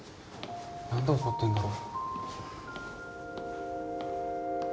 何で怒ってんだろ？